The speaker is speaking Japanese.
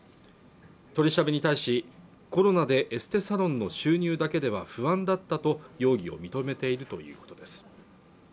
取り調べに対しコロナでエステサロンの収入だけでは不安だったと容疑を認めているということです